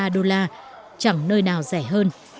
ba mươi ba đô la chẳng nơi nào rẻ hơn